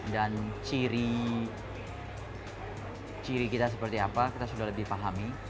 dan ciri kita seperti apa kita sudah lebih pahami